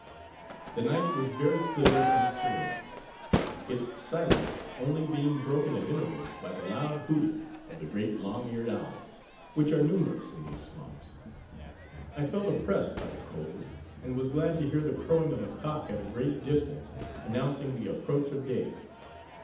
The night was very clear and serene its silence only being broken at intervals by the loud hooting of the great long eared owls, which are numerous in these swamps. I felt oppressed by the cold, and was glad to hear the crowing of a cock, at a great distance, announcing the approach of day.